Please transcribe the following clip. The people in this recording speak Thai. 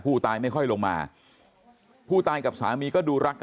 ชาวบ้านในพื้นที่บอกว่าปกติผู้ตายเขาก็อยู่กับสามีแล้วก็ลูกสองคนนะฮะ